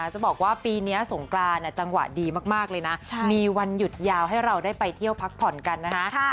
จะบอกว่าปีนี้สงกรานจังหวะดีมากเลยนะมีวันหยุดยาวให้เราได้ไปเที่ยวพักผ่อนกันนะคะ